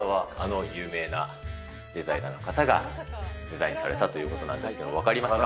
こちらはあの有名なデザイナーの方がデザインされたということなんですけれども、分かりますか？